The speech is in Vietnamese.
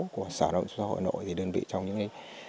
của xã hội nội thì đơn vị trong những